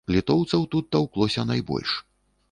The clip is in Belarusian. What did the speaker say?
Літоўцаў тут таўклося найбольш.